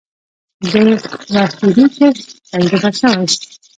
د راسبیري کښت تجربه شوی؟